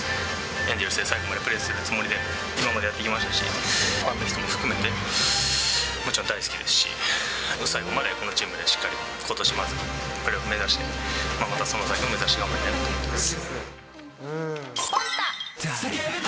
エンゼルスで最後までプレーするつもりで、今までやってきましたし、ファンの人たち含めてもちろん大好きですし、最後までこのチームでしっかりことしプレーオフ目指して、またその先も目指して目指して頑張りたいなと思います。